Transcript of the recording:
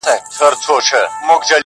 د سكون له سپينه هــاره دى لوېـدلى.